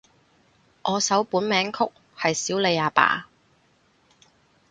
我首本名曲係少理阿爸